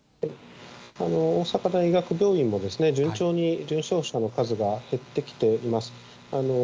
大阪大学病院も順調に重症者の数が減ってきております。